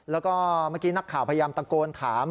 แล้วก็เมื่อกี้นักข่าวพยายามตะโกนถาม